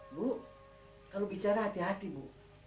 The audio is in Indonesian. bu kalau bicara hati hati bu